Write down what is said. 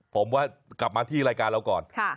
ผมว่ากลับมาที่รายการเราก่อน